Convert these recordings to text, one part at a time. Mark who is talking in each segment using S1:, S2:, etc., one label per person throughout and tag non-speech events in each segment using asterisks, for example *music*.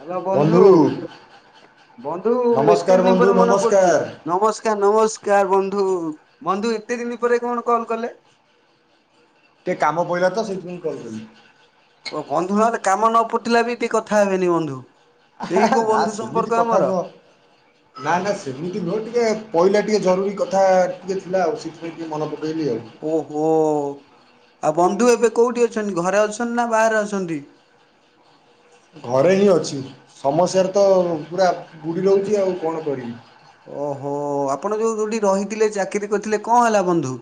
S1: Hello ବନ୍ଧୁ ବନ୍ଧୁ ଏତେ
S2: ନମସ୍କାର
S1: ଦିନ
S2: ବନ୍ଧୁ
S1: ପରେ ମନେ ପଡୁଛି।
S2: ନମସ୍କାର।
S1: ନମସ୍କାର ନମସ୍କାର ବନ୍ଧୁ ବନ୍ଧୁ ଏତେ ଦିନ ପରେ କଣ କଲ କଲେ।
S2: ଟିକେ କାମ ପଇଲା ତ ସେଇଥିପାଇଁ କଲ କରଦେଲି।
S1: ଓ ବନ୍ଧୁ ନଲେ କାମ ନ ପୁଟିଲା ବି ଟିକେ କଥା ହେବେନି ବନ୍ଧୁ। ଏଇ କୋଉ
S2: ନା
S1: ବନ୍ଧୁ ସମ୍ପର୍କ
S2: ସେମିତି କଥା
S1: ଆମର
S2: ନୁହ। ନା ନା ସେମିତି ନୁହେଁ ଟିକେ ପଇଲା ଟିକେ ଜରୁରୀ କଥା ଟିକେ ଥିଲା ଆଉ ସେଥିପାଇଁ ଟିକେ ମନେ ପକେଇଲି ଆଉ।
S1: ଓହୋ ଆଉ ବନ୍ଧୁ ଏବେ କୋଉଠି ଅଛନ୍ତି ଘରେ ଅଛନ୍ତି ନା ବାହାରେ ଅଛନ୍ତି?
S2: ଘରେ ହିଁ ଅଛି ସମସ୍ୟାରେ ତ ପୁରା ବୁଡ଼ି ରହୁଛି ଆଉ କଣ କରିବି।
S1: ଓହୋ ଆପଣ ଯୋଉ ଯୋଉଠି ରହିଥିଲେ ଚାକିରି କରିଥିଲେ କଣ ହେଲା ବନ୍ଧୁ।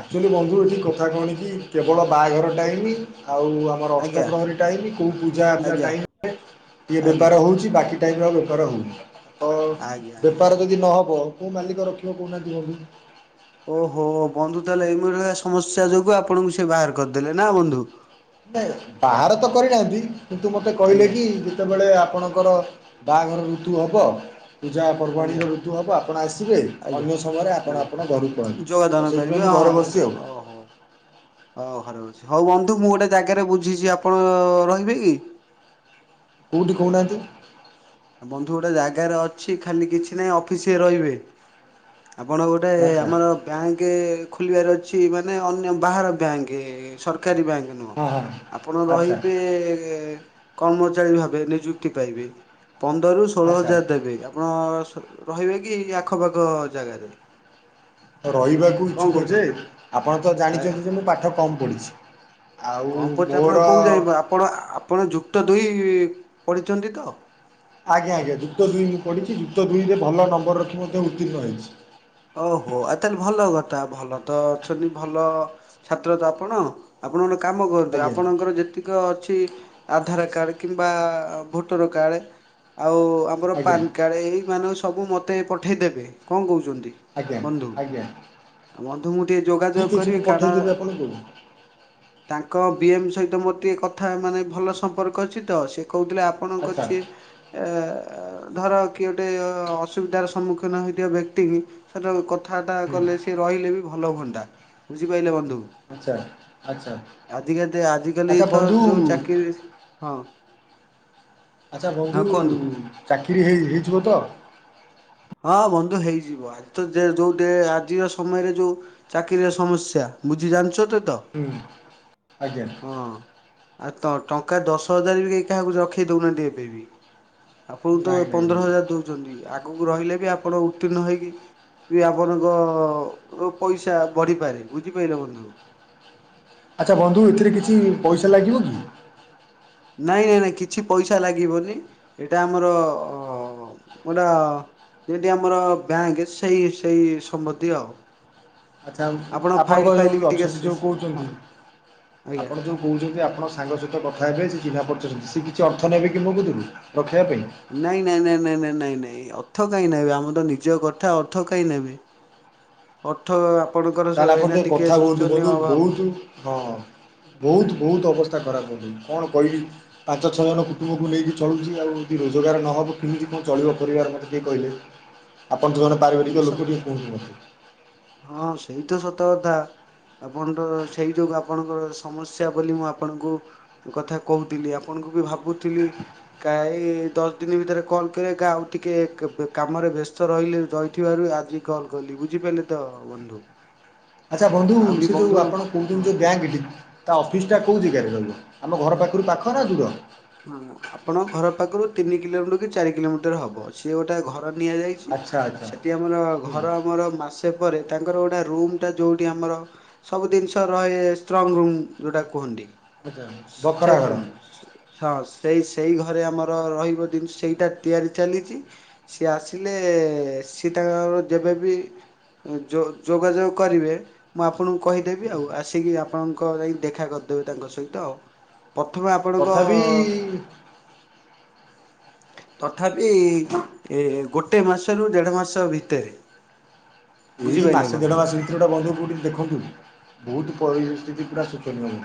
S2: ଆକ୍ଚୁଆଲି ବନ୍ଧୁ ଏଠି କଥା କଣ କି କେବଳ ବାହାଘରଟାଇମି ଆଉ। ମୋର
S1: ଆଜ୍ଞା
S2: ଅଷ୍ଟପ୍ରହରୀ ଟାଇମ୍ କୋଉ ପୂଜା ଆର୍ଜା
S1: ଆଜ୍ଞା
S2: ଟାଇମ୍। ଇଏ
S1: ଆଜ୍ଞା
S2: ବେପାର ହେଉଛି ବାକି ଟାଇମ୍ ରେ ବେପାର ହେଉନି ତ
S1: ଆଜ୍ଞା।
S2: ବେପାର ଯଦି ନହବ କୋଉ ମାଲିକ ରଖିବ କହୁନାହାନ୍ତି ଭ
S1: ଓହୋ ବନ୍ଧୁ ତାହେଲେ ଏଇମିରିଆ ସମସ୍ୟା ଯୋଗୁଁ ଆପଣଙ୍କୁ ସେ ବାହାର କରିଦେଲେ ନା ବନ୍ଧୁ।
S2: ନା ବାହାର ତ କରିନାହାନ୍ତି କିନ୍ତୁ ମତେ କହିଲେ
S1: ଆଜ୍ଞା।
S2: କି ଯେତେବେଳେ ଆପଣଙ୍କର ବାହାଘର ଋତୁ ହବ
S1: ଆଜ୍ଞା
S2: ପୂଜାପର୍ବାଣୀର ଋତୁ ହେବ ଆପଣ ଆସିବେ
S1: ଆଜ୍ଞା
S2: ଅନ୍ୟ ସମୟରେ ଆପଣ
S1: ଆଜ୍ଞା
S2: ଆପଣ ଘରକୁ ପଳନ୍ତୁ।
S1: ଯୋଗଦାନ
S2: ତଉ
S1: କରିବେ
S2: ସେଇଥିପାଇଁ ମୁଁ ଘରେ
S1: ହଁ
S2: ବସି ଆଉ।
S1: ଓହୋ। ହଉ ଘରେ କରଛି ହଉ ବନ୍ଧୁ ମୁଁ ଗୋଟେ ଜାଗାରେ ବୁଝିଛି ଆପଣ ରହିବେ କି?
S2: କେଉଁଠି କହୁନାହାନ୍ତି?
S1: ବନ୍ଧୁ ଗୋଟେ ଜାଗାରେ ଅଛି ଖାଲି କିଛି ନାହିଁ ଅଫିସ ରହିବେ। ଆପଣ ଗୋଟେ
S2: ଆଚ୍ଛା
S1: ଆମର ବ୍ୟାଙ୍କ ଖୋଲିବାର ଅଛି ମାନେ ଅନ୍ୟ ବାହାର ବ୍ୟାଙ୍କ ସରକାରୀ ବ୍ୟାଙ୍କ।
S2: ହଁ ହଁ।
S1: ନୁହ ଆପଣ
S2: ଆଚ୍ଛା
S1: ରହିବେ କର୍ମଚାରୀ ଭାବେ ନିଯୁକ୍ତି ପାଇବେ। ପନ୍ଦରରୁ ଷୋହଳ
S2: ଆଚ୍ଛା
S1: ହଜାର ଦେବେ ଆପଣ ରହିବେ କି ଆଖପାଖ ଜାଗାରେ?
S2: ରହିବାକୁ
S1: କଣ
S2: ଇଚଛୁକ ଯେ
S1: କହୁଛନ୍ତି?
S2: ଆପଣ ତ
S1: ଆ
S2: ଜାଣିଛନ୍ତି ଯେ ମୁଁ ପାଠ କମ ପଢିଛି।
S1: କଣ ପୁଛି ଆପଣ କଉ ଯାଇବେ ଆପଣ ଆପଣ ଯୁକ୍ତ ଦୁଇ ପଢ଼ିଛନ୍ତି ତ?
S2: ଆଜ୍ଞା ଆଜ୍ଞା ଯୁକ୍ତ ଦୁଇ ମୁଁ ପଢିଛି ଯୁକ୍ତ ଦୁଇରେ ଭଲ ନମ୍ବର ରଖି ମଧ୍ୟ ଉତ୍ତୀର୍ଣ୍ଣ ହେଇଛି।
S1: ଓହୋ ଆଉ ତାହେଲେ ଭଲ କଥା ଭଲ ତ ଅଛନ୍ତି ଭଲ ଛାତ୍ର ତ ଆପଣ। ଆପଣମାନେ କାମ କରନ୍ତୁ
S2: ଆଜ୍ଞା
S1: ଆପଣଙ୍କର ଯେତିକି ଅଛି ଆଧାର କାର୍ଡ କିମ୍ବା ଭୋଟର କାର୍ଡ ଆଉ ଆଙ୍କର
S2: ଆଜ୍ଞା
S1: ପାନ୍ କାର୍ଡ଼ ଏଇମାନ ସବୁ ମୋତେ ପଠାଇଦେବେ କଣ କହୁଛନ୍ତି?
S2: ଆଜ୍ଞା
S1: ବନ୍ଧୁ
S2: ଆଜ୍ଞା।
S1: ଆଉ ବନ୍ଧୁ ମୁ ଟିକିେ ଯୋଗାଯୋଗ
S2: ଠିକ୍ ଅଛି ମୁଁ
S1: କରି କାରଣ
S2: ପଠେଇଦେବି ଆପଣଙ୍କୁ
S1: ତାଙ୍କ ବି ଏମ୍ ସହିତ ମୋର ଟିକେ କଥା ମାନେ ଭଲ ସମ୍ପର୍କ ଅଛି ତ ସେ କହୁଥିଲେ
S2: ଆଚ୍ଛା
S1: ଆପଣଙ୍କଛି। ଏ ଧର କି ଗୋଟେ ଅସୁବିଧାର ସମ୍ମୁଖୀନ ହେଇଥିବା ବ୍ୟକ୍ତି କି ସେଟ କଥାଟା
S2: ହୁଁ
S1: କଲେ ସି ରହିଲେ ବି ଭଲ ହୁଅନ୍ତା ବୁଝିପାରିଲେ ବନ୍ଧୁ।
S2: ଆଚ୍ଛା ଆଚ୍ଛା
S1: ଆଜିକାଲି ଆଜିକାଲି
S2: ଆଚ୍ଛା
S1: ତ
S2: ବନ୍ଧୁ
S1: ଯୋଉ ଚାକିରି ହଁ।
S2: ଆଚ୍ଛା
S1: ହଁ
S2: ବନ୍ଧୁ
S1: କୁହନ୍ତୁ।
S2: ଚାକିରି ହେଇ ହେଇଯିବ ତ?
S1: ହଁ ବନ୍ଧୁ ହେଇଯିବ ଆଜି ତ *unintelligible* ଆଜିର ସମୟରେ ଯୋଉ ଚାକିରିଆ ସମସ୍ୟା ବୁଝି ଜାଣିଛ ତ ତ।
S2: ହୁଁ ଆଜ୍ଞା।
S1: ହଁ। ଆଉ ତ ଟଙ୍କା ଦଶ ହଜାର ବି କେହି କାହାକୁ ରଖାଇ ଦେଉନାହାନ୍ତି ଏବେ ବି। ଆପଣଙ୍କୁ ତ
S2: ନାଇଁ ନାଇଁ
S1: ପନ୍ଦର
S2: ନାଇଁ।
S1: ହଜାର ଦଉଛନ୍ତି ଆଗକୁ ରହିଲେ ବି ଆପଣ ଉତ୍ତୀର୍ଣ ହେଇକି ବି ଆପଣଙ୍କ ପଇସା ବଢିପାରେ ବୁଝିପାରିଲ ବନ୍ଧୁ।
S2: ଆଚ୍ଛା ବନ୍ଧୁ ଏଥିରେ କିଛି ପଇସା ଲାଗିବ କି?
S1: ନାଇଁ ନାଇଁ ନାଇଁ କିଛି ପଇସା ଲାଗିବନି ଏଇଟା ଆମର ହ ମୁଟା ଯଠି ଆମର ବ୍ୟାଙ୍କ ସେଇ ସେଇ ସମ୍ବତ୍ତି ଆଉ।
S2: ଆଚ୍ଛା
S1: ଆପଣ ଫାଇଲ
S2: ଆପଣଙ୍କ
S1: ଫାଇଲ
S2: ଯୋଉ
S1: କି ଟିକେ
S2: ଅଛନ୍ତି ଯୋଉ
S1: ହଁ
S2: କହୁଛନ୍ତି
S1: ଆଜ୍ଞା।
S2: ଆପଣ ଯୋଉ କହୁଛନ୍ତି ଆପଣ ସାଙ୍ଗ ସହିତ କଥା ହେବେ ସେଏ ଚିହ୍ନା ପଚଛନ୍ତି ସି କିଛି ଅର୍ଥ ନେବେ କି ମୋ ପାଖରୁ ରଖିବା ପାଇଁ?
S1: ନାଇଁ ନାଇଁ ନାଇଁ ନାଇଁ ନାଇଁ ନାଇଁ ନାଇଁ ଅର୍ଥ କାଇହିଁ ନେବେ ଆମ ତ ନିଜ କଥା ଅର୍ଥ କାଇଁ ନେବେ। ହ ଅର୍ଥ ଆପଣଙ୍କର
S2: ତାହେଲେ ଆପଣ
S1: ଏଇନା ଟିକେ
S2: କଥା ହୁଅନ୍ତୁ
S1: ଶୋଚନୀୟ
S2: ବନ୍ଧୁ
S1: ଅଭାବ।
S2: ବହୁତ ହଁ ବହୁତ ବହୁତ ଅବସ୍ଥା ଖରାପ ହଉଛି କଣ କହିବି। ପାଞ୍ଚ ଛଅ ଜଣ କୁଟୁମ୍ବକୁ ନେଇକି ଚଳୁଛି ଆଉ ଯଦି ରୋଜଗାର ନ ହେବ କେମିତି କଣ ଚଳିବ ପରିବାର ମୋତେ ଟିକେ କହିଲେ।
S1: ହ
S2: ଆପଣ ତ ଜଣେ ପାରିବାରିକ ଲୋକ ଟିକେ କହନ୍ତୁ ମତେ।
S1: ହଁ ସେଇ ତ ସତ କଥା। ଆପଣର ସେଇ ଯୋଉୁ ଆପଣଙ୍କର ସମସ୍ୟା ବୋଲି ମୁଁ ଆପଣଙ୍କୁ କଥା କହୁଥିଲି ଆପଣଙ୍କୁ ବି ଭାବୁଥିଲି। କା ଏ ଦଶ ଦିନ ଭିତରେ କଲ୍ କରିବା କା ଆଉ ଟିକେ କାମରେ ବ୍ୟସ୍ତ ରହିଲେ ରହିଥିବାରୁ ଆଜି କଲ କଲି ବୁଝିପାରିଲେ ତ ବନ୍ଧୁ
S2: ଆଚ୍ଛା ବନ୍ଧୁ
S1: ଆଉ ବି
S2: ସେ ଯୋଉ
S1: ବନ୍ଧୁ
S2: ଆପଣ କହୁଛନ୍ତି
S1: ହଁ
S2: ଯୋଉ ବ୍ୟାଙ୍କ ଏଠି ତା ଅଫିସଟା କେଉଁ ଜାଗାରେ ରହିବ ଆମ ଘର ପାଖରୁ ପାଖ
S1: ଆ
S2: ନା ଦୂର
S1: ହଁ ଆପଣଙ୍କ ଘର ପାଖରୁ ତିନି କିଲୋମିଟର କି ଚାରି କିଲୋମିଟର ହବ ସିଏ ଗୋଟେ ଘର ନିଆଯାଇ
S2: ଆଚ୍ଛା ଆଚ୍ଛା
S1: ସେଠି ଆମର
S2: ହୁଁ
S1: ଘର ଆମର ମାସେ ପରେ ତାଙ୍କର ଗୋଟେ ରୁମ ଟା ଯୋଉଠି ଆମର ସବୁ ଜିନିଷ ରହେ ଷ୍ଟ୍ରଙ୍ଗ ରୁମ୍ ଯେଉଁଟା କୁହନ୍ତି
S2: ଆଚଛା ବଖରା
S1: ସେଫ୍
S2: ଘର
S1: ରୁମ୍। ହଁ ସେଇ ସେଇ ଘରେ ଆମର ରହିବ ଜିନିଷ ସେଇଟା ତିଆରି ଚାଲିଛି ସିଏ ଆସିଲେ ସି ତାଙ୍କର ଯେବେବ ଯ ଯୋଗାଯୋଗ କରିବେ। ମୁଁ ଆପଣଙ୍କୁ କହିଦେବି
S2: ହୁଁ
S1: ଆଉ ଆସିକି ଆପଣଙ୍କ ଯାଇ ଦେଖା କରିଦେବି ତାଙ୍କ ସହିତ ଆଉ। ପ୍ରଥମେ ଆପଣଙ୍କ
S2: ତଥାପି
S1: ତଥାପି ଏ ଗୋଟେ ମାସରୁ ଦେଢ଼ ମାସ ଭିତରେ
S2: ଏଇ
S1: ବୁଝିପାରିଲେ
S2: ମାସେ
S1: ବନ୍ଧୁ।
S2: ଦେଢ଼ ମାସ ଭିତରେଟା ବନ୍ଧୁ କେଉଠିକି ଦେଖନ୍ତୁ ବହୁତ ପରିସ୍ଥିତି ପୁରା ଶୋଚନୀୟ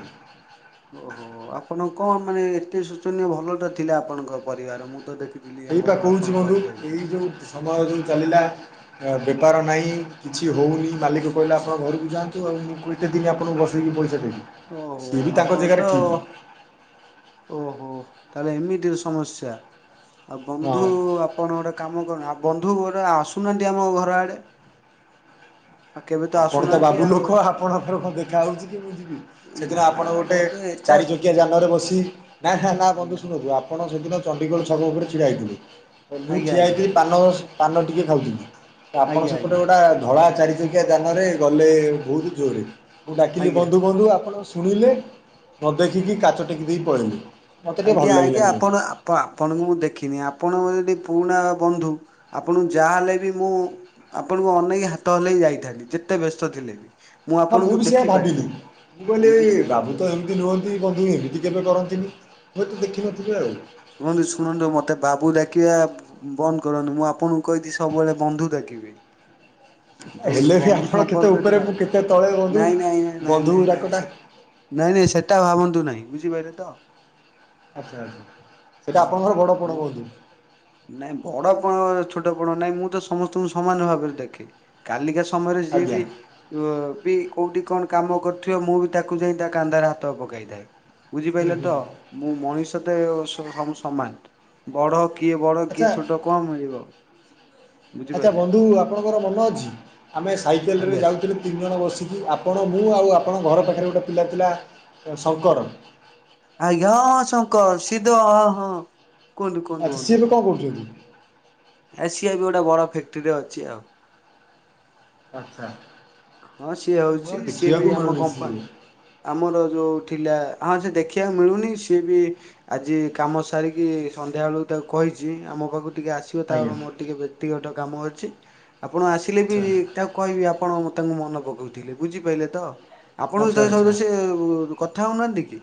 S1: ଓହୋ ଆପଣ କଣ ମାନେ ଏତେ ଶୋଚନୀୟ ଭଲ ତ ଥିଲା ଆପଣଙ୍କ ପରିବାର। ମୁଁ ତ ଦେଖ
S2: ଏଇପା କହୁଛି ବନ୍ଧୁ ଏଇ ଯୋଉ ସମୟ ଯୋଉ ଚାଲିଲା ବେପାର ନାହିଁ କିଛି ହଉନି ମାଲିକ କହିଲା ଆପଣଙ୍କ ଘରକୁ ଯାଆନ୍ତୁ। ଆଉ ମୁଁ କେତେ ଦିନ ଆପଣ ବସିକି ପଇସା ଦେବି।
S1: ଓହୋ
S2: ସିଏ ବି ତାଙ୍କ
S1: ଆପଣ
S2: ଜାଗାରେ
S1: ତ
S2: ଠିକ୍
S1: ଓହୋ ତାହେଲେ ଏମିତି ସମସ୍ୟା ଆଉ ବନ୍ଧୁ
S2: ହଁ
S1: ଆପଣ ଗୋଟେ କାମ କରୁନ୍ତୁ ଆଉ ବନ୍ଧୁ ଘର ଆସୁନାହାନ୍ତି ଆମ ଘର ଆଡେ। ଆଉ କେବେ ତ ଆସୁନାହାନ୍ତି ଆଉ।
S2: ଆପଣଙ୍କ ସହ କଣ ଦେଖାହଉଛି କି ମୁଁ ଯିବି। ସେଦିନ
S1: ନା
S2: ଆପଣ ଗୋଟେ
S1: ବନ୍ଧୁ ଏଟା
S2: ଚାରି ଚକିଆ ଯାନରେ ବସି। ନା ନା ନା ବନ୍ଧୁ
S1: ଆଜ୍ଞା
S2: ଶୁଣନ୍ତୁ ଆପଣ ସେଦିନ ଚଣ୍ଡିଗଡ଼ ଛକ ଉପରେ ଛିଡ଼ା ହେଇଥିଲେ। ମୁଁ
S1: ଆଜ୍ଞା
S2: ଠିଆ
S1: ଆଜ୍ଞା
S2: ହେଇଥିଲି ପାନ ପାନ ଟିକେ ଖାଉଥିଲ ଆପଣ
S1: ଆଜ୍ଞା
S2: ସେପଟେ
S1: ଆଜ୍ଞା
S2: ଗୋଟେ ଧଳା ଚାରି ଆଜ୍ଞା ଯାନରେ ଗଲେ ବହୁତ ଜୋରେ, ମୁଁ ଡାକିଲି
S1: ଆଜ୍ଞା।
S2: ବନ୍ଧୁ ବନ୍ଧୁ ଆପଣ ଶୁଣିଲେ ମତେ ଦେଖିକି କାଚ ଟେକି ଦେଇ ପଳେଇଲିି ମତେ ଟିକେ ଭଲ ଲାଗିଲା କିନ୍ତୁ।
S1: ତ ଆପଣଙ୍କୁ ମୁଁ ଦେଖିନି ଆପଣ ଯଦି ପୁରୁଣା ବନ୍ଧୁ ଆପଣଙ୍କୁ ଯାହାହେଲେ ବି ମୁଁ। ଆପଣଙ୍କୁ ଅନେଇକ ହାତ ହଲେଇ ଯାଇଥାନ୍ତି ଯେତେ ବ୍ୟସ୍ତ ଥିଲେ ବି।
S2: ହଁ ମୁଁ
S1: ଆପଣଙ୍କୁ
S2: ବି ସେୟା
S1: ଦେଖିପାରି
S2: ଭାବିଲି
S1: ନାହିଁ
S2: ମୁଁ କହିଲି ଏଇ ବାବୁ ତ ଏମିତି ନୁହ ବଧେ ଏମିତି କେବେ କରନ୍ତିନି ହୁଏ ତ ଦେଖିନଥିବେ ଆଉ।
S1: ଶୁଣନ୍ତୁ ଶୁଣନ୍ତୁ ମୋତେ ବାବୁ ଡାକିବା ବନ୍ଦ କରନ୍ତୁ ମୁଁ ଆପଣଙ୍କୁ କହିଥିଲି ସବୁବେଳେ ବନ୍ଧୁ ଡକିବେ। ଯୋଉଠି
S2: ହେଲେ ବି
S1: ବନ୍ଧୁ
S2: ଆପଣ କେତେ
S1: ସମ୍ପର୍କ
S2: ଉପରେ
S1: ଥିବ
S2: ମୁଁ କେତେ ତଳେ ବନ୍ଧୁ
S1: ନାଇଁ ନାଇଁଁ ନାଇଁ
S2: ବନ୍ଧୁ
S1: ନାଇଁ ନାଇଁ
S2: ଗୁରାକଟା
S1: ସେ ନାଇଁ ନାଇଁ ସେଟା ଭାବନ୍ତୁ ନାହିଁ, ବୁଝିପାରିଲେ ତ?
S2: ଆଚ୍ଛା ଆଛା ସେଇଟା
S1: ହଁ
S2: ଆପଣଙ୍କର ବଡ ପର୍ବ
S1: ମୁଁ
S2: ବଧେ।
S1: ନାଇଁ ବଡ କଣ ଛୋଟ କଣ ନାଇଁ ମୁଁ ତ ସମସ୍ତଙ୍କୁ ସମାନ ଭାବରେ ଦେଖେ। କାଲିକା ସମୟରେ ଯିଏ
S2: ଆଜ୍ଞା
S1: ବି ବି କୋଉଠି କଣ କାମ କରୁଥିବ, ମୁଁ ବି ତାକୁ ଯାଇ ତା କାନ୍ଦାର ହାତ ପକେଇଥାଏ।
S2: ହୁଁ
S1: ବୁଝିପାରିଲେ
S2: ହୁଁ
S1: ତ ମୁଁ ମଣିଷ ତ ସବୁ ସମାନ ବଡ କିଏ ବଡ କିଏ
S2: ଆଚ୍ଛା
S1: ଛୋଟ କଣ ମିଳିବ।
S2: ଆଚ୍ଛା
S1: ବୁଝିପାରିଲେ
S2: ବନ୍ଧୁ ଆପଣଙ୍କର ମନେ ଅଛି ଆମେ ସାଇକେଲରେ
S1: ଆଜ୍ଞା।
S2: ଯାଉଥିଲେ ତିନି ଜଣ ବସି କି ଆପଣ ମୁଁ ଆଉ ଆପଣଙ୍କ ଘର ପାଖରେ ଗୋଟେ ପିଲା ଥିଲା ଶଙ୍କର।
S1: ଆଜ୍ଞା ହଁ ହଁ ଶଙ୍କର ସି ଏ ତ ହ ହଁ। କୁହନ୍ତୁ କୁହନ୍ତୁ
S2: ଆଚ୍ଛା
S1: କୁହନ୍ତୁ
S2: ସିଏ ଏବେ କଣ କରୁଛନ୍ତି?
S1: ସିଏ ଏବେ ଗୋଟେ ବଡ ଫ୍ୟାକ୍ଟ୍ରିରେ ଅଛି ଆଉ।
S2: ଆଚ୍ଛା।
S1: ହଁ ସିଏ
S2: ମୁଁ ଆଉ
S1: ହଉଛି ସିଏ ବି
S2: ଦେଖିବାକୁ
S1: ଆମ
S2: ମିଳୁନି ସିଏ
S1: କମ୍ପା ଆମର ଯେଉଁ ଥିଲା ହଁ ସେ ଦେଖିବାକୁ ମିଳୁନି ସିଏ ବି ଆଜି କାମ ସାରିକି ସନ୍ଧ୍ୟା ବେଳକୁ ତାକୁ କହିଚି ଆ ମୋ ପାଖକୁ ଟିକେ ଆସ
S2: ଆଜ୍ଞା
S1: ତାର ମୋର ଟିକେ ବ୍ୟକ୍ତିଗତ କାମ ଅଛି। ଆପଣ ଆସିଲେ ବି
S2: ଆଚ୍ଛା
S1: ତାକୁ କହିବି ଆପଣ ତାଙ୍କୁ ମନ ପକଉଥିଲେ ବୁଝିପାରିଲେ ତ। ଆପଣ
S2: ଆଚ୍ଛା
S1: ଙ୍କୁ।
S2: ଆଚ୍ଛା
S1: *unintelligible* କଥା ହଉନାହାଁନ୍ତି କି?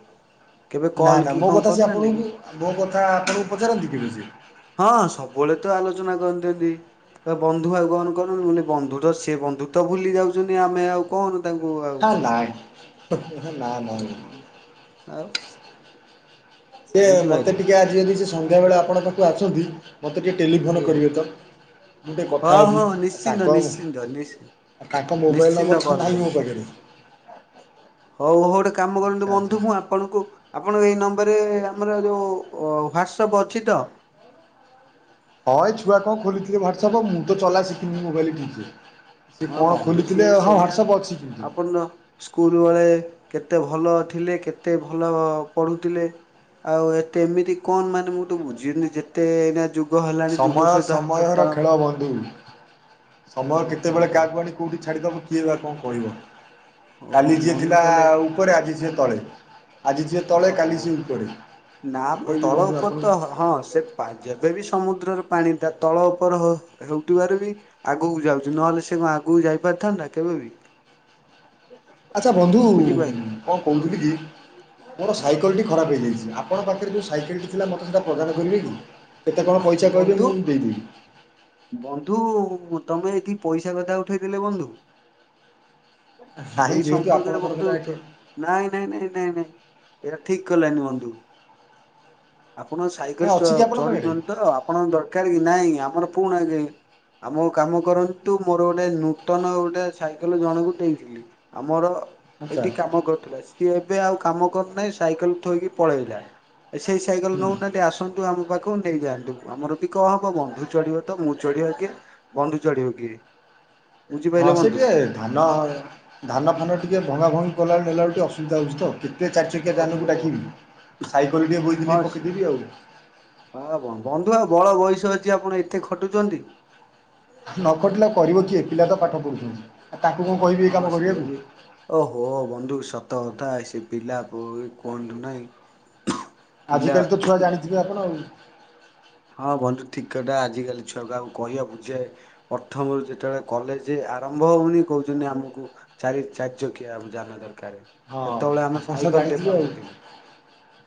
S1: କେବେ
S2: ନା
S1: କଲ୍
S2: ନା
S1: କି
S2: ମୋ
S1: କଣ
S2: କଥା ସିଏ
S1: କରୁନାହାନ୍ତି କି?
S2: ଆପଣଙ୍କୁ ମୋ କଥା ଆପଣଙ୍କୁ ପଚାରନ୍ତି କେବେ ସେ?
S1: ହଁ ସବୁବେଳେ ତ ଆଲୋଚନା କରନ୍ତି ଏଠି। ଏ ବନ୍ଧୁ ଆଉ କଣ *unintelligible* ମୁଁ କହିଲି ବନ୍ଧୁ ତ ସେ ବନ୍ଧୁତ୍ଵ ଭୁଲି ଯାଉଛନ୍ତି ଆମେ ଆଉ କଣ ତାଙ୍କୁ ଆଉ
S2: ହଁ ନାଇଁ
S1: କହିବୁ।
S2: *unintelligible*
S1: ଆଉ
S2: ସେ ମତେ
S1: ବୁଝିପାରିଲେ
S2: ଟିକେ ଆଜି ଯଦି ସେ ସନ୍ଧ୍ୟା ବେଳେ ଆପଣଙ୍କ ପାଖକୁ ଆସନ୍ତି ମୋତେ ଟିକେ ଟେଲିଫୋନ୍
S1: ଏଇଆ।
S2: କରିବେ ତ। ମୁଁ ଟିକେ
S1: ହଁ
S2: କଥା
S1: ହଁ
S2: ହେବି। ଆଉ
S1: ନିଶ୍ଚିନ୍ତ
S2: ତାଙ୍କ
S1: ନିଶ୍ଚିନ୍ତ ନିଶ୍ଚି
S2: ତାଙ୍କ ମୋବାଇଲ
S1: ନିଶ୍ଚିନ୍ତ
S2: ନମ୍ୱର ତ
S1: କଲ୍
S2: ନାହିଁ ମୋ
S1: କରିବି।
S2: ପାଖେରେ।
S1: ହଉ ଗୋଟେ କାମ କରନ୍ତୁ
S2: ଆଚ୍ଛା ଆଚ୍ଛା
S1: ବନ୍ଧୁ ମୁଁ ଆ ଆପଣଙ୍କୁ ଆପଣଙ୍କ ଏଇ ନମ୍ବରରେ ଆମର ଯୋଉ ହ୍ଵାଟସପ୍ ଅଛି ତ?
S2: ହଁ ଏ ଛୁଆ କଣ ଖୋଲିଥିବେ ହ୍ୱାଟସପ୍। ମୁଁ ତ ଚଲା ଶିଖିନି ମୋବାଇଲ କିଛି। ସିଏ
S1: ହଁ
S2: କଣ
S1: ବନ୍ଧୁ ସିଏ
S2: ଖୋଲିଥିବେ
S1: ବି
S2: ହଁ
S1: ସେଇଆ
S2: ହ୍ୱାଟସପ୍ ଅଛି।
S1: ଆପଣ ସ୍କୁଲ ବେଳେ କେତେ ଭଲ ଥିଲେ, କେତେ ଭଲ ପଢ଼ୁଥିଲେ। ଆଉ ଏତେ ଏମିତି କଣ ମାନେ ମୁଁ ତ ବୁଝିିନି ଯେତେ ଏଇନା ଯୋ
S2: ସମୟ ସମୟର ଖେଳ ବନ୍ଧୁ। ସମୟ କେତେ
S1: ଓହୋ
S2: କେତେବେଳେ କାହାକୁ ଆଣି କୋଉଠି ଛାଡିଦବ କିଏ ବା କଣ କହିବ।
S1: ଓହୋ
S2: କାଲି ଯିଏ
S1: ବନ୍ଧୁ
S2: ଥିଲା
S1: ତାହେଲେ
S2: ଆଉ ଉପରେ ଆଜି ସିଏ ତଳେ। ଆଜି ଯିଏ ତଳେ କାଲି
S1: ଓହୋ।
S2: ସିଏ ଉପରେ।
S1: ନା
S2: କଣ
S1: ମ
S2: କହିବି
S1: ତଳ
S2: ବନ୍ଧୁ
S1: ଉପର ତ
S2: ଆପଣଙ୍କୁ।
S1: ହଁ ସେ *unintelligible* ପାଇଁ ବି ସମୁଦ୍ରରୁ ପାଣି ତା ତଳ ଉପର ହେଉଥିବାରୁ ବି ଆଗକୁ ଯାଉଚି ନହେଲେ ସେ କଣ ଆଗକୁ ଯାଇ ପାରିଥାନ୍ତା କେବେ ବିି।
S2: ଆଚ୍ଛା ବନ୍ଧୁ
S1: ବୁଝିପାରିଲେ
S2: କଣ
S1: ହଁ
S2: କହୁଥିଲି କି ମୋର
S1: ହଁ
S2: ସାଇକଲ୍ ଟି ଖରାପ ହେଇଯାଇଚି। ଆପଣଙ୍କ ପାଖରେ ଯୋଉ ସାଇକେଲଟି ଥିଲା ମୋତେ ସେଟା ପ୍ରଦାନ କରିବେ କି? କେତେ କଣ ପଇସା କହିଲେ
S1: ବନ୍ଧୁ
S2: ମୁଁ ଦେଇଦେବି।
S1: ବନ୍ଧୁ ତମେ ଏଠି ପଇସା କଥା ଉଠେଇ ଦେଲେ ବନ୍ଧୁ।
S2: ନାହିଁ
S1: ଏଇ
S2: ଯେହେତୁ
S1: ସମ୍ପର୍କରେ
S2: ଆପଣଙ୍କର ସେଟା
S1: ବନ୍ଧୁତ୍ଵ
S2: କିଏ
S1: ନାଇଁ ନାଇଁ ନାଇଁ ନାଇଁ ନାଇଁ ଏଇରା ଠିକ୍ କଲେନି ବନ୍ଧୁ। ଆପଣ
S2: କାଇଁ
S1: ସାଇକେଲ ଚ
S2: ଅଛି କି ଆପଣଙ୍କ ପାଖରେ?
S1: ଚଢୁଛନ୍ତି ତ ଆପଣଙ୍କ ଦରକାର କି ନାଇଁ ଆମର ପୁରୁଣା କାଇଁ ଆମ କୁ କାମ କରନ୍ତୁ ମୋର ଗୋଟେ ନୂତନ ଗୋଟେ ସାଇକେଲ ଜଣକୁ ଦେଇଥିଲି ଆମର
S2: ଆଚ୍ଛା
S1: ଏଠି କାମ କରୁଥିଲା। ସିଏ ଏବେ ଆଉ କାମ କରୁନାହିଁ ସାଇକେଲ ଥୋଇକି ପଳେଇଲା। ସେଇ ସାଇକେଲ
S2: ହୁଁ
S1: ନଉନାହାନ୍ତି। ଆସନ୍ତୁ ଆମ ପାଖରୁ ନେଇଯାନ୍ତୁ। ଆମର ବି କଣ ହବ। ବନ୍ଧୁ ଚଢିବ ତ ମୁଁ ଚଢିବା କିଏ ବନ୍ଧୁ ଚଢିବ କିଏ।
S2: ହଁ
S1: ବୁଝିପାରିଲେ
S2: ସେ
S1: ବନ୍ଧୁ।
S2: ଟିକେ ଧାନ ଧାନ ଫାନ ଟିକେ ଭଙ୍ଗା ଭଙ୍ଗି କଲା ବେଳୁ ନେଲା ବେଳକୁ ଟିକେ ଅସୁବିଧା ହଉଚି ତ। ଚାରି ଚକିଆ
S1: ଓହୋ।
S2: ଯାନକୁ ଡାକିବି। ସାଇକେଲ ଟିଏ ବୋହିକି
S1: ହଁ
S2: ନେଇକି ପକେଇଦେବି ଆଉ।
S1: ହଁ ବନ୍ଧୁ ଆଉ ବଳ ବୟସ ଅଛି ଆପଣ ଏତେ ଖଟୁଛନ୍ତି?
S2: ନ ଖଟିଲେ ଆଉ କରିବ କିଏ? ପିଲା ତ ପାଠ ପଢ଼ୁଛନ୍ତି। ତାକୁ ମୁଁ କହି
S1: ହଁ ସିଏ ବି ଓହୋ ବନ୍ଧୁ ସତ କଥା, ସେ ପିଲା *unintelligible* କୁହନ୍ତୁ ନାଇଁ।
S2: ଆଜିକାଲି ତ ଛୁଆ ଜାଣିଥିବେ ଆପଣ ଆଉ।
S1: ହଁ ବନ୍ଧୁ ଠିକ୍ କଥା ଆଜିକାଲି ଛୁଆ ଙ୍କୁ ଆଉ କହିବା ବୁଝେ ପ୍ରଥମରୁ ଯେତେବେଳେ କଲେଜ ଆରମ୍ଭ ହଉନି କହୁଛନ୍ତି ଆମକୁ ଚାରି ଚାରି ଚକିଆ ଯାନ ଦରକାର।
S2: ହଁ
S1: ସେତେବେଳେ ଆମେ
S2: ଆପଣ ତ
S1: ସାଇକେଲ ଟେ
S2: ଜାଣିଥିବେ ଆଉ
S1: ପାଉନଥିଲୁ।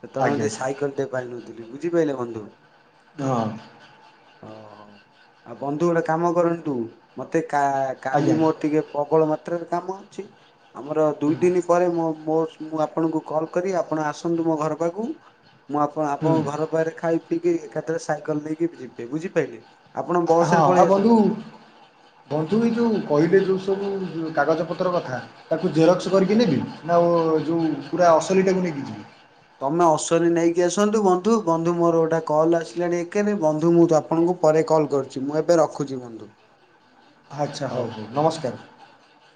S1: ସେତେବେଳେ
S2: ଆଜ୍ଞା
S1: ଆମେ ସାଇକେଲ ଟେ ପାଇନଥିଲୁ ବୁଝିପାରିଲେ ବନ୍ଧୁ।
S2: ହଁ।
S1: ଓୋ ଆଉ ବନ୍ଧୁ ଗୋଟେ କାମ କରନ୍ତ ତୁ ମତେ କା କାଲି
S2: ଆଜ୍ଞା
S1: ମୋର ଟିକେ ପ୍ରବଳ ମାତ୍ରାରେ କାମ ଅଛି ଆମର
S2: ହୁଁ।
S1: ଦୁଇ ଦିନ ପରେ ମୋ ମୋ ମୁଁ ଆପଣଙ୍କୁ କଲ୍ କରି ଆପଣ ଆସନ୍ତୁ ମୋ ଘର ପାଖକୁ ମୁଁ ଆପଣ
S2: ହୁଁ
S1: ଆପଣଙ୍କ ଘର ପାଖରେ ଖାଇ ି ଏକାଥରେ ସାଇକେଲ ନେଇକି ଯିବେ ବୁଝିପାରିଲେ ଆପଣ ବସ ରେ
S2: ହଁ ଆଉ
S1: ପଳେଇ
S2: ବନ୍ଧୁ
S1: ଆସନ୍ତୁ
S2: ବନ୍ଧୁ ଯୋଉ କହିଲେ ଯୋଉ ସବୁ କାଗଜପତ୍ର କଥା ତାକୁ ଜେରକ୍ସ କରିକି
S1: ଆଜ୍ଞା।
S2: ନେବି ନା ଯେଉଁ ପୁରା ଅସଲିଟାକୁ ନେଇକି ଯିବି
S1: ତମେ ଅଶ୍ିନୀ ନେଇକି ଆସନ୍ତୁ ବନ୍ଧୁ ବନ୍ଧୁ ମୋର ଗୋଟେ କଲ୍ ଆସିଲାଣି ଏକେନି ବନ୍ଧୁ ମୁଁ ତ ଆପଣଙ୍କୁ ପରେ କଲ୍ କରୁଛି ମୁଁ ଏବେ ରଖୁଛି ବନ୍ଧୁ
S2: ଆଚ୍ଛା ହଉ ହଉ ନମସ୍କାର